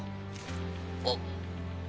あっ！